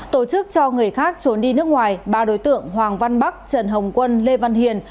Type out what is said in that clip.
tổ chức cho người khác trốn đi nước ngoài ba đối tượng hoàng văn bắc trần hồng quân lê văn hiền